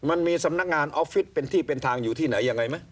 มันมีสำนักงานออฟฟิศเป็นที่เป็นทางอยู่ที่ไหนยังไงไหม